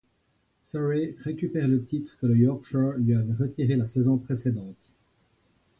Surrey récupère le titre que le Yorkshire lui avait retiré la saison précédente.